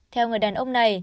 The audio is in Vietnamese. theo người đàn ông